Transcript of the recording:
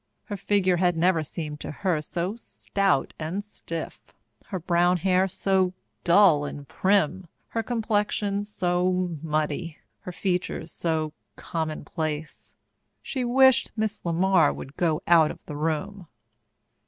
Her figure had never seemed to her so stout and stiff, her brown hair so dull and prim, her complexion so muddy, her features so commonplace. She wished Miss LeMar would go out of the room.